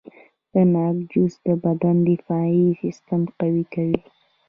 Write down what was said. د ناک جوس د بدن دفاعي سیستم قوي کوي.